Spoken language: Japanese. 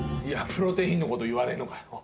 プロテインの事言わねえのかよ。